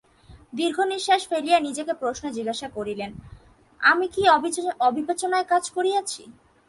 দীর্ঘনিশ্বাস ফেলিয়া নিজেকে প্রশ্ন জিজ্ঞাসা করিলেন– আমি কি অবিবেচনার কাজ করিয়াছি?